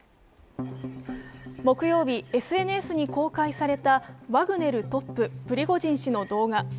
木曜日、ＳＮＳに公開されたワグネルトップ、プリゴジン氏の動画。